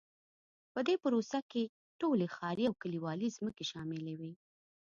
په دې پروسه کې ټولې ښاري او کلیوالي ځمکې شاملې وې.